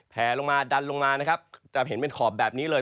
แผลลงมาดันลงมานะครับจะเห็นเป็นขอบแบบนี้เลย